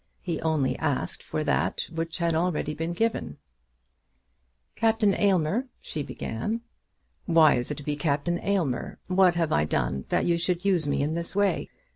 He only asked for that which had already been given to him. "Captain Aylmer ," she began. "Why is it to be Captain Aylmer? What have I done that you should use me in this way?